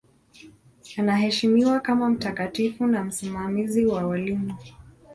Anaheshimiwa kama mtakatifu na msimamizi wa walimu.